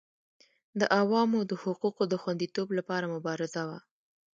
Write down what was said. د عوامو د حقوقو د خوندیتوب لپاره مبارزه وه.